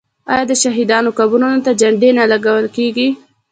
آیا د شهیدانو قبرونو ته جنډې نه لګول کیږي؟